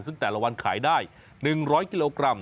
ซึ่งแต่ละวันขายได้๑๐๐กิโลกรัม